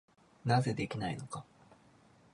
なぜできないのか。